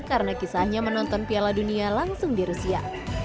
karena kisahnya menonton piala dunia langsung di rusia